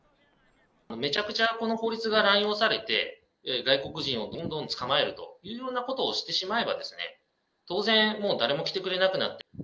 めちゃくちゃこの法律が乱用されて、外国人をどんどん捕まえるというようなことをしてしまえばですね、当然、もう誰も来てくれなくなります。